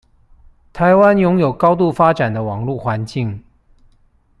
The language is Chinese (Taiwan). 臺灣擁有高度發展的網路環境